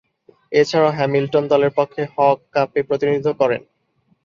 এছাড়াও, হ্যামিল্টন দলের পক্ষে হক কাপে প্রতিনিধিত্ব করেন।